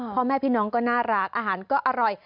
พ่อแม่พี่น้องก็น่ารักอาหารก็อร่อย